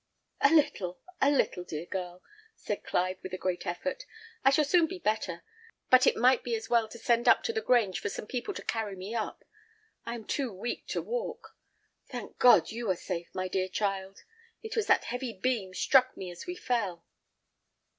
"A little, a little, dear girl!" said Clive, with a great effort. "I shall soon be better; but it might be as well to send up to the Grange for some people to carry me up. I am too weak to walk. Thank God! you are safe, my dear child. It was that heavy beam struck me as we fell."